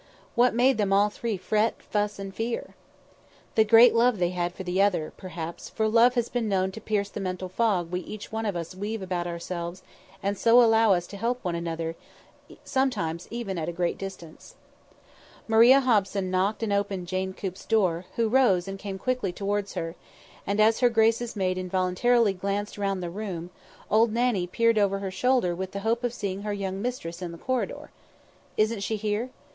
What made them all three fret, and fuss, and fear? The great love they had one for the other, perhaps, for love has been known to pierce the mental fog we each one of us weave about ourselves and so allow us to help one another, sometimes even at a great distance. Maria Hobson knocked and opened Jane Coop's door, who rose and came quickly towards her; and as her grace's maid involuntarily glanced round the room, old Nannie peered over her shoulder with the hope of seeing her young mistress in the corridor. "Isn't she here?"